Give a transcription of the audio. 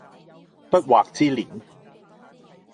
不惑之年